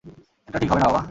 এটা ঠিক হবে না, বাবা।